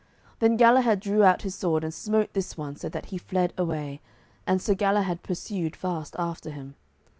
Then Galahad drew out his sword and smote this one so that he fled away, and Sir Galahad pursued fast after him.